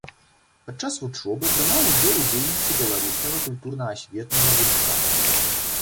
Падчас вучобы прымаў удзел у дзейнасці беларускага культурна-асветнага гуртка.